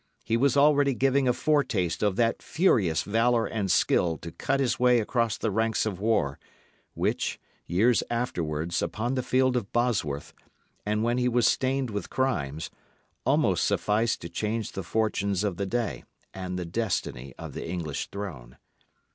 He was already giving a foretaste of that furious valour and skill to cut his way across the ranks of war, which, years afterwards upon the field of Bosworth, and when he was stained with crimes, almost sufficed to change the fortunes of the day and the destiny of the English throne.